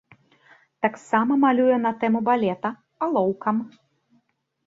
Таксама малюе на тэму балета, алоўкам.